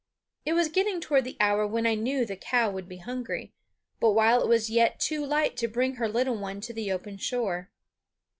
It was getting toward the hour when I knew the cow would be hungry, but while it was yet too light to bring her little one to the open shore.